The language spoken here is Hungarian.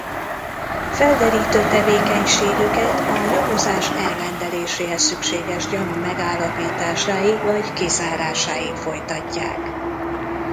Felderítő tevékenységüket a nyomozás elrendeléséhez szükséges gyanú megállapításáig vagy kizárásáig folytatják.